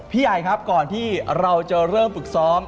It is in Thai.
ใหญ่ครับก่อนที่เราจะเริ่มฝึกซ้อม